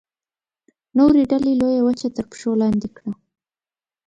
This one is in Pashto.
نورې ډلې لویه وچه تر پښو لاندې کړه.